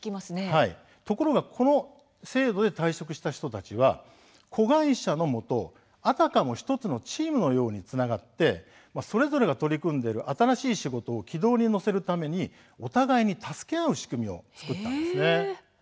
ところが、この制度で退職した人たちは子会社のもとあたかも１つのチームのようにつながってそれぞれが取り組んでいる新しい仕事を軌道に乗せるためにお互いに助け合う仕組みを作ったんです。